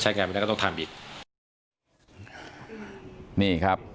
ใช้งานไม่ได้ก็ต้องทำอีก